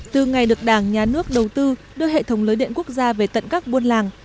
từ ngày được đảng nhà nước đầu tư đưa hệ thống lưới điện quốc gia về tận các buôn làng